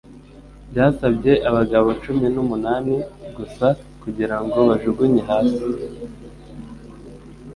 Byasabye abagabo cumi n'umunani gusa kugirango bajugunye hasi,